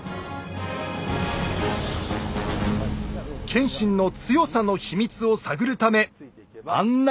謙信の強さの秘密を探るため案内してくれたのが。